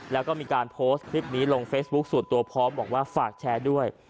แล้วก็มีการโพสต์คลิปนี้ลงเฟซบุ๊คส่วนตัวพร้อมบอกว่าฝากแชร์ด้วย